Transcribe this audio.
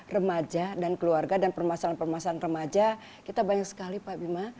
remaja dan keluarga dan permasalahan permasalahan remaja kita banyak sekali pak bima